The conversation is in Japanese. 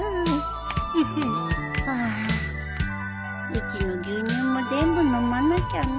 うちの牛乳も全部飲まなきゃね。